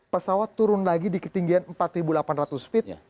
pesawat turun lagi di ketinggian empat delapan ratus feet